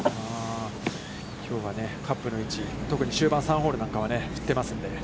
きょうはカップの位置、特に終盤３ホールなんかは振ってますので。